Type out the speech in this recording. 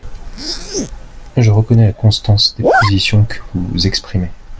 Je reconnais la constance des positions que vous exprimez.